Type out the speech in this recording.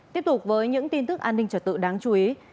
tiếp tục với những tin tức an ninh trật tự đáng chú ý